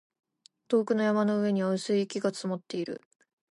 遠くの山の上には薄い雪が積もっている